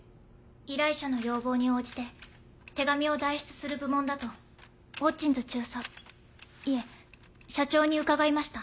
依頼者の要望に応じて手紙を代筆する部門だとホッジンズ中佐いえ社長に伺いました。